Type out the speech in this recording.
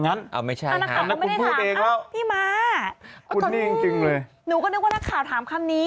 นักข่าวก็ไม่ได้ถามพี่ม้าตอนนี้จริงเลยหนูก็นึกว่านักข่าวถามคำนี้